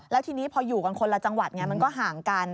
แล้วทีนี้พออยู่กันคนละจังหวัดไงมันก็ห่างกัน